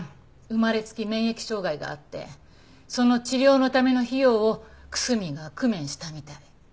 生まれつき免疫障害があってその治療のための費用を楠見が工面したみたい。